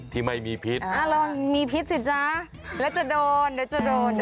ที่ไม่มีพิษลองมีพิษสิจ๊ะแล้วจะโดนเดี๋ยวจะโดน